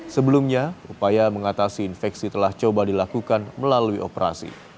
sebelumnya upaya mengatasi infeksi telah coba dilakukan melalui operasi